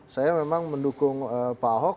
saya memang mendukung pak ahok